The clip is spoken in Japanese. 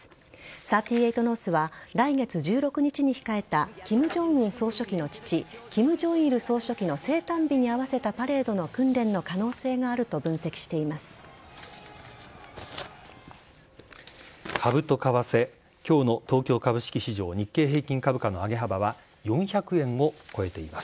３８ノースは来月１６日に控えたキム・ジョンウン総書記の父、キム・ジョンイル総書記の生誕日に合わせたパレードの訓練の可能性があると分析しています。